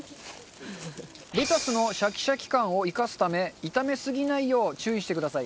レタスのシャキシャキ感を生かすため炒めすぎないよう注意してください。